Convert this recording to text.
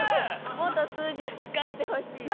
もっと数字を使ってほしいです。